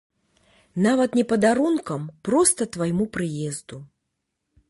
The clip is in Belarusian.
Нават не падарункам, проста твайму прыезду.